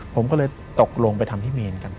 ผมก็เลยตกลงไปทำที่เมนกัน